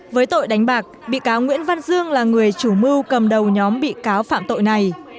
với tội đánh bạc bị cáo nguyễn văn dương là người chủ mưu cầm đầu nhóm bị cáo phạm tội này